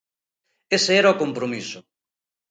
Ese era o compromiso.